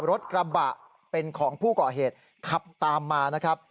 รถกระบะเป็นของผู้ก่อเหตุขับตามมานะครับ